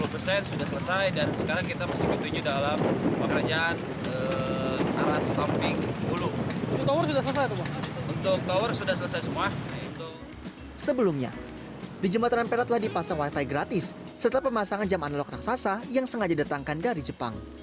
di jembatan ampera telah dipasang wifi gratis setelah pemasangan jam analog raksasa yang sengaja datangkan dari jepang